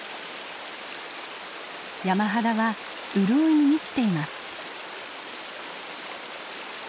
山肌は潤いに満ちています。